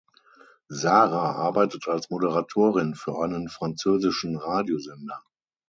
Sara arbeitet als Moderatorin für einen französischen Radiosender.